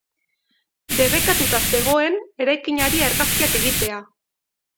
Debekatuta zegoen eraikinari argazkiak egitea.